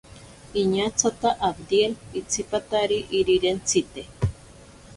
Iñatsata abdiel itsipatari irirentsite.